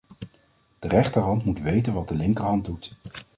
De rechterhand moet weten wat de linkerhand doet.